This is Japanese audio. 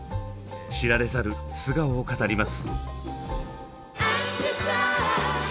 知られざる素顔を語ります。